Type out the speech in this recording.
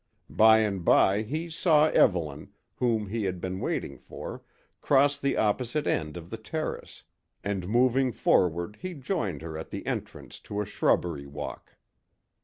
By and by he saw Evelyn, whom he had been waiting for, cross the opposite end of the terrace, and moving forward he joined her at the entrance to a shrubbery walk.